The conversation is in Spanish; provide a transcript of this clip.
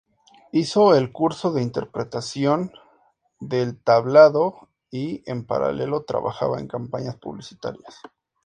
Hizo el curso de interpretación del Tablado y, en paralelo, trabajaba en campañas publicitarias.